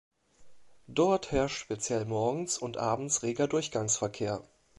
Dort herrscht speziell morgens und abends reger Durchgangsverkehr.